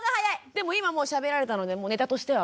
でも今もうしゃべられたのでネタとしてはもう。